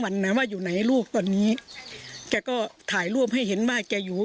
วันนั้นว่าอยู่ไหนลูกตอนนี้แกก็ถ่ายรูปให้เห็นว่าแกอยู่